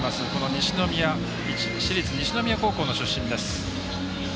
西宮、市立西宮高校の出身です。